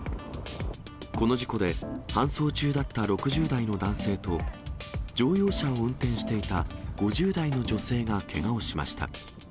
この事故で、搬送中だった６０代の男性と、乗用車を運転していた５０代の女性がけがをしました。